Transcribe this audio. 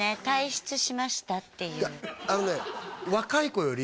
「退出しました」っていう